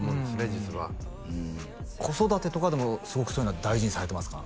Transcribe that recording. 実は子育てとかでもすごくそういうのは大事にされてますか？